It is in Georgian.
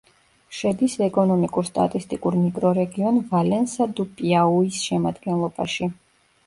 შედის ეკონომიკურ-სტატისტიკურ მიკრორეგიონ ვალენსა-დუ-პიაუის შემადგენლობაში.